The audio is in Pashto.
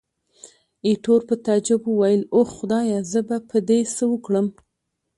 ایټور په تعجب وویل، اوه خدایه! زه به په دې څه وکړم.